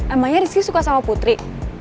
emangnya rizky suka sama putri